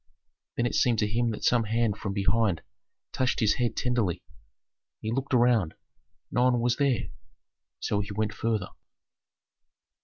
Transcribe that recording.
Then it seemed to him that some hand from behind touched his head tenderly. He looked around. No one was there; so he went farther.